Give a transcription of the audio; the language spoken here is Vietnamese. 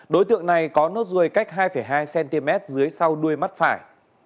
đối tượng này có nốt ruồi cách hai hai cm dưới sau đuôi mắt phải